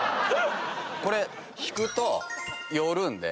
これ引くと寄るんで。